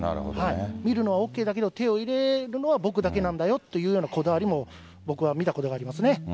見るのはＯＫだけど、手を入れるのは僕だけなんだよというようなこだわりも僕は見たことがありますね。